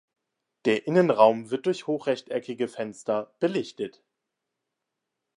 Der Innenraum wird durch hochrechteckige Fenster belichtet.